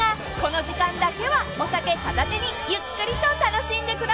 この時間だけはお酒片手にゆっくりと楽しんでください！］